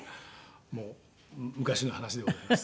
もう昔の話ではあります。